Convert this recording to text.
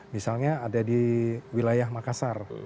misalnya ada di wilayah makassar